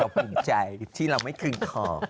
เราภูมิใจที่เราไม่คืนของ